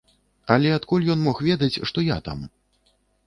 Але адкуль ён мог ведаць, што я там?